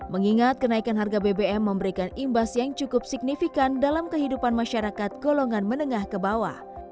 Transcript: mengingat kenaikan harga bbm memberikan imbas yang cukup signifikan dalam kehidupan masyarakat golongan menengah ke bawah